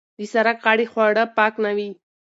د سرک غاړې خواړه پاک نه وي.